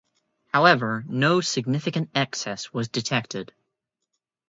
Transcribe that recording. However, no significant excess was detected.